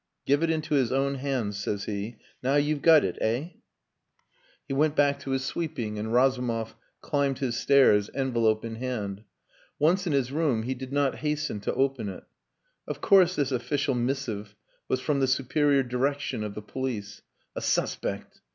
'Give it into his own hands,' says he. Now you've got it eh?" He went back to his sweeping, and Razumov climbed his stairs, envelope in hand. Once in his room he did not hasten to open it. Of course this official missive was from the superior direction of the police. A suspect!